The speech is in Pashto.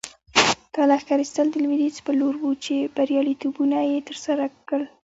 دا لښکر ایستل د لویدیځ په لور وو چې بریالیتوبونه یې ترلاسه کړل.